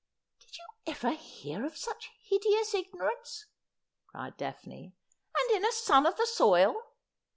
' Did you ever hear of such hideous ignorance ?' cried Daphne, ' and in a son of the soil.